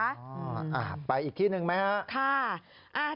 อ่าไปอีกที่หนึ่งไหมครับ